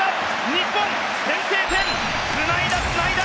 日本、先制点つないだ、つないだ！